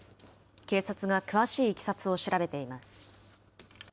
警察が詳しいいきさつを調べています。